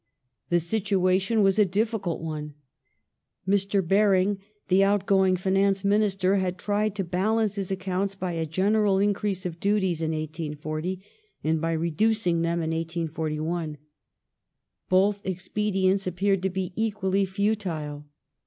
The situation was a difficult one. Mr. Baring, the out going Finance Minister, had tried to balance his accounts by a general increase of duties in 1840, and by reducing them in 1841. Both expedients appeai ed to be equally futile.